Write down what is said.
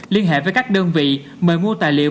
liên hệ với các đơn vị mời mua tài liệu